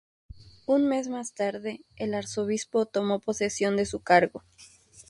Un mes más tarde, el arzobispo tomó posesión de su cargo.